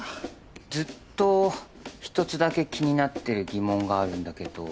ずっと１つだけ気になってる疑問があるんだけど。